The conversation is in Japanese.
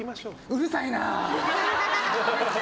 うるさいな！